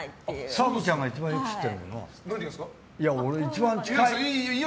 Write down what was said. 澤部ちゃんが一番よく知ってるもんな。